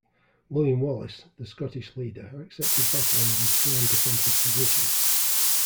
William Wallace, the Scottish leader accepted battle in a withdrawn defensive position.